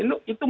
itu kan ribuan